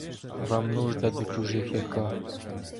Вам нужда до чужих яка?..